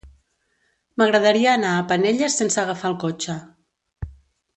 M'agradaria anar a Penelles sense agafar el cotxe.